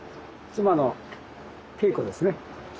妻の恵子ですね。